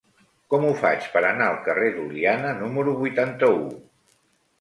Com ho faig per anar al carrer d'Oliana número vuitanta-u?